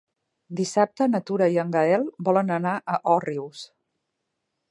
Dissabte na Tura i en Gaël volen anar a Òrrius.